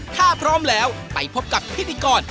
ถ้าพร้อมแล้วไปพบกับพิธีกร